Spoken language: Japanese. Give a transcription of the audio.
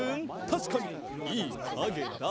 たしかにいいかげだ！